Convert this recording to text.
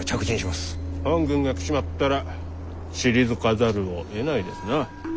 本軍が来ちまったら退かざるをえないですな。